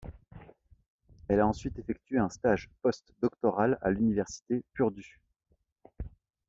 Elle a ensuite effectué un stage postdoctoral à l'Université Purdue.